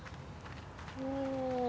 うん。